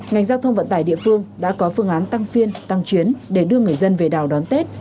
ngành giao thông vận tải địa phương đã có phương án tăng phiên tăng chuyến để đưa người dân về đảo đón tết